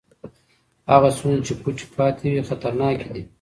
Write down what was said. هغه ستونزې چې پټې پاتې وي خطرناکې دي.